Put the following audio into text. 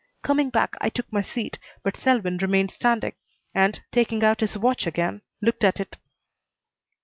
Coming back, I took my seat, but Selwyn remained standing, and, taking out his watch again, looked at it.